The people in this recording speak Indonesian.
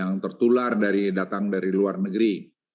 yang tertular datang dari luar negeri